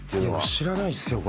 知らないっすよこれ。